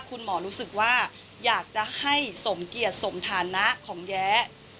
คุณหมอรู้สึกว่าอยากจะให้สมเกียจสมฐานะของแย้